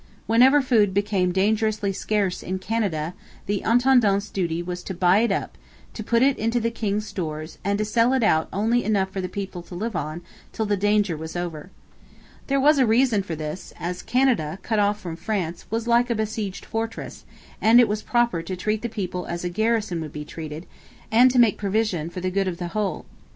Whenever food became dangerously scarce in Canada the intendant's duty was to buy it up, to put it into the king's stores, and to sell out only enough for the people to live on till the danger was over. There was a reason for this, as Canada, cut off from France, was like a besieged fortress, and it was proper to treat the people as a garrison would be treated, and to make provision for the good of the whole.